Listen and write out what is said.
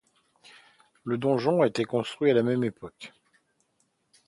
Le donjon a été construit à la même époque.